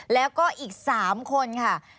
แล้วก็อีก๓คนค่ะ